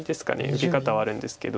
受け方はあるんですけど。